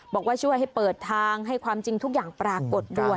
บอกว่าช่วยให้เปิดทางให้ความจริงทุกอย่างปรากฏด้วย